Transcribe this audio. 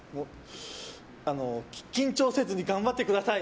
緊張せずに頑張ってください。